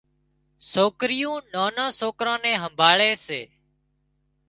سوڪريُون نانان سوڪران نين همڀاۯي سي